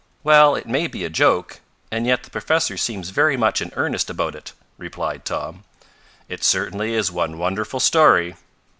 "Well, it may be a joke; and yet the professor seems very much in earnest about it," replied Tom. "It certainly is one wonderful story!"